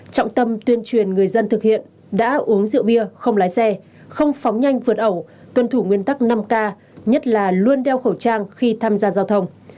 trọng tâm tuyên truyền người dân thực hiện đã uống rượu bia không lái xe không phóng nhanh vượt ẩu tuân thủ nguyên tắc năm k nhất là luôn đeo khẩu trang khi tham gia giao thông